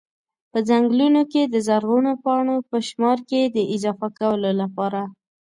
په ځنګلونو کي د زرغونو پاڼو په شمار کي د اضافه کولو لپاره